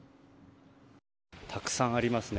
たくさんありますね。